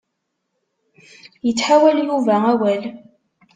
Ittḥawal Yuba awal.